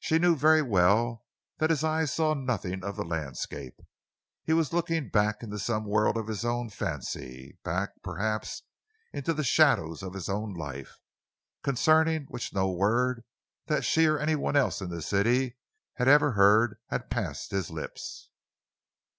She knew very well that his eyes saw nothing of the landscape. He was looking back into some world of his own fancy, back, perhaps, into the shadows of his own life, concerning which no word that she or any one else in the city had ever heard had passed his lips.